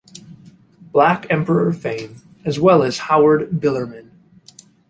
Black Emperor fame, as well as Howard Bilerman.